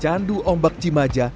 candu ombak cimaja